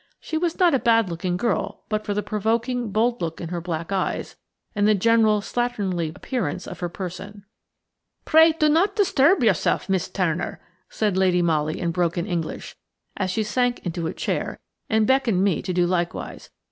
She was not a bad looking girl but for the provoking, bold look in her black eyes, and the general slatternly appearance of her person. "Pray do not disturb yourself, Miss Turner," said Lady Molly in broken English, as she sank into a chair, and beckoned me to do likewise.